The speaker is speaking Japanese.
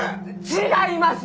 違います！